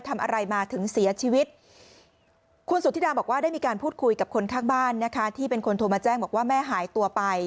ทำอะไรมาถึงเสียชีวิตคุณสุธิดาบอกว่าได้มีการพูดคุยกับคนข้างบ้านนะคะที่เป็นคนโทรมาแจ้งบอกว่าแม่หายตัวไป